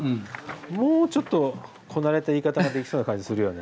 もうちょっとこなれた言い方ができそうな感じするよね。